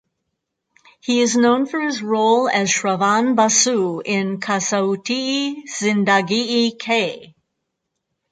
He is known for his role as Shravan Basu in "Kasautii Zindagii Kay".